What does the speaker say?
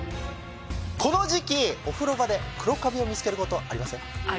この時期お風呂場で黒カビを見つけることありません？